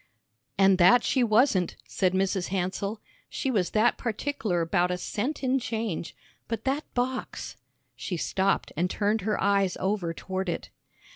"An' that she wasn't," said Mrs. Hansell. "She was that partik'ler 'bout a cent in change. But that box " she stopped and turned her eyes over toward it.